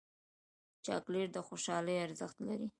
چاکلېټ د خوشحالۍ ارزښت لري